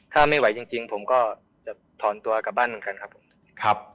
ถ้าไม่ไหวจริงผมก็จะถอนตัวกลับบ้านเหมือนกันครับผมครับ